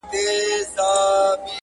o دوې پښې په يوه پايڅه کي نه ځائېږي٫